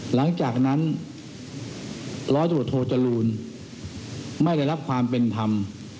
หลังจากนั้นร้อยตรวจโทจรูลไม่ได้รับความเป็นธรรม